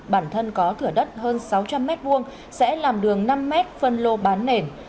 bản thân có thửa đất hơn sáu trăm linh m hai sẽ làm đường năm m phân lô bán nền